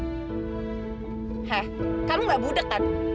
hah kamu gak budek kan